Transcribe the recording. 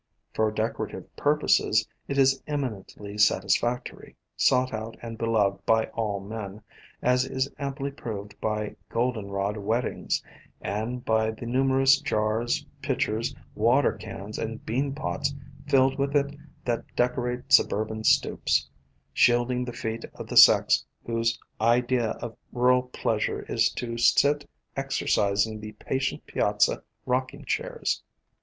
For decorative pur poses it is eminently satisfactory, sought out and beloved by all men, as is amply proved by "Gol denrod weddings," and by the nu merous jars, pitchers, water cans, and bean pots filled with it that decorate suburban stoops, shield ing the feet of the sex whose idea of rural pleasure is to sit exercising the patient piazza rocking chairs.